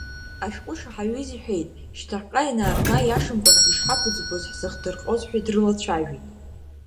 Ашәҟәы шаҳаҩыз иҳәеит, шьҭахьҟа ианаарга, иашамкәан ишҳақәыӡбоз ҳзыхдырҟьоз ҳәа дрылацәажәеит.